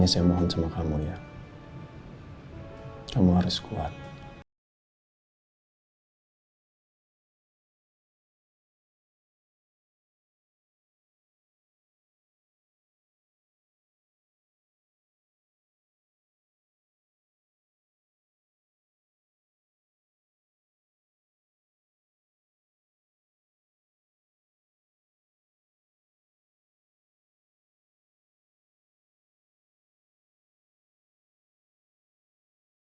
karena momen itu harus diabadikan